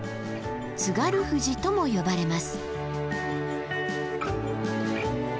「津軽富士」とも呼ばれます。